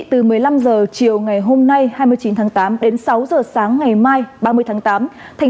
từ một mươi năm h chiều ngày hôm nay hai mươi chín tháng tám đến sáu h sáng ngày mai ba mươi tháng tám